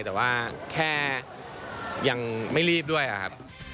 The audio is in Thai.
แต่ว่าแค่ยังไม่รีบด้วยครับ